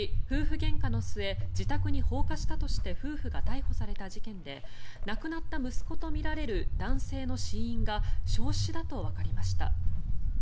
げんかの末自宅に放火したとして夫婦が逮捕された事件で亡くなった息子とみられる男性の死因が焼死だとわかりました。